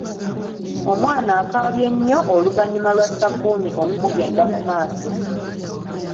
Omwana akaabye nnyo oluvannyuma lwa ssabbuuni okumugenda mu maaso.